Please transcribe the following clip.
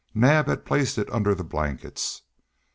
Naab had placed it under the blankets.